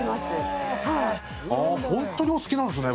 ホントにお好きなんすね。